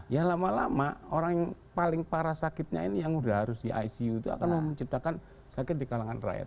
ya lama lama orang yang paling parah sakitnya ini yang sudah harus di icu itu akan menciptakan sakit di kalangan rakyat